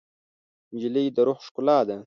نجلۍ د روح ښکلا ده.